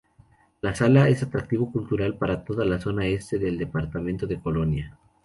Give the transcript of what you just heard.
La sala es atractivo cultural para toda la zona este del departamento de Colonia.